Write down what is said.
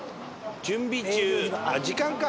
準備中あっ時間か。